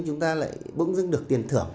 chúng ta lại bỗng dưng được tiền thưởng